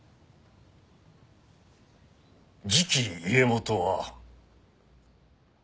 次期家元は。